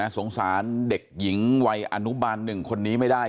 สงสารเด็กหญิงวัยอนุบาล๑คนนี้ไม่ได้